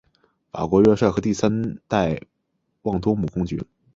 法国元帅和第三代旺多姆公爵。